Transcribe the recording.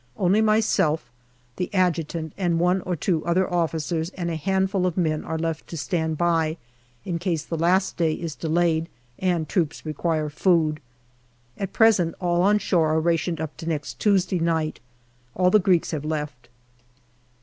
Only myself, the Adjutant, and one or two other officers and a handful of men are left to stand by in case the last day is delayed and troops require food. At present, all on shore are rationed up to next Tuesday night. All the Greeks have left.